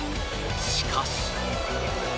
しかし。